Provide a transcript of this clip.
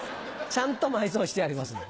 ちゃんと埋葬してあります。